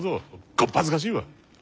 小っ恥ずかしいわ！